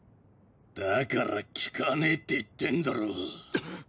だから効かねえって言ってんだろ。